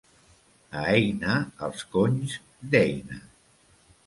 A Eina, els conys d'Eina.